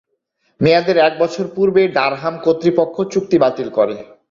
মেয়াদের এক বছর পূর্বেই ডারহাম কর্তৃপক্ষ চুক্তি বাতিল করে।